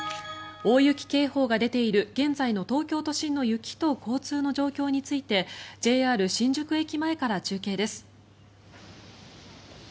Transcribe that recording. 大雪警報が出ている現在の東京都心の雪と交通の状況についてＪＲ新宿駅前から中継です。